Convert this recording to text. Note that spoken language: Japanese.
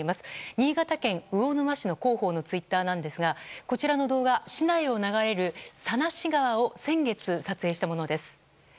新潟県魚沼市の広報のツイッターなんですがこちらの動画市内を流れる佐梨川を先月撮影したものです。